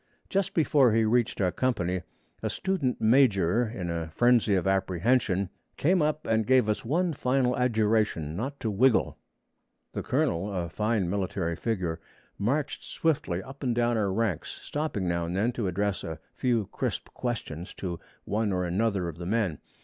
Just before he reached our company, a student major, in a frenzy of apprehension, came up and gave us one final adjuration not to wiggle. The colonel a fine military figure marched swiftly up and down our ranks, stopping now and then to address a few crisp questions to one or another of the men.